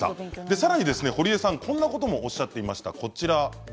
さらに堀江さんはこんなことをおっしゃっていました。